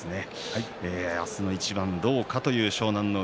明日の一番どうかという湘南乃海。